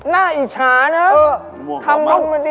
น่าอิจฉาน่ะทำงานมาดี